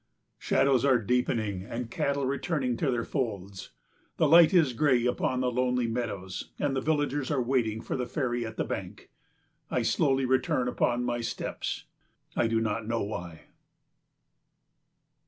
Shadows are deepening and cattle returning to their folds. The light is grey upon the lonely meadows, and the villagers are waiting for the ferry at the bank. I slowly return upon my steps, I do not know why.